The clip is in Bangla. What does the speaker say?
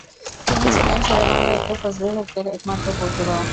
তিনি ছিলেন শেরে বাংলা একে ফজলুল হকের একমাত্র পুত্র।